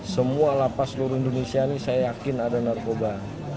semua lapas seluruh indonesia ini saya yakin ada narkoba